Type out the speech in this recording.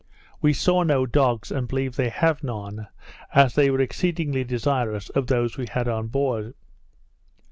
We saw no dogs, and believe they have none, as they were exceedingly desirous of those we had on board.